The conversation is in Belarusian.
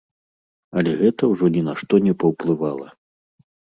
Але гэта ўжо ні на што не паўплывала.